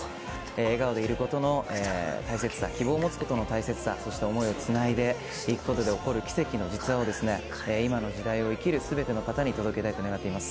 笑顔でいることの大切さ希望を持つことの大切さそして思いをつないでいくことで起こる奇跡の実話を今の時代を生きる全ての方に届けたいと願っています。